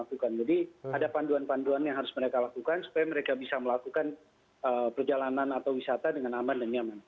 jadi ada panduan panduan yang harus mereka lakukan supaya mereka bisa melakukan perjalanan atau wisata dengan aman dan nyaman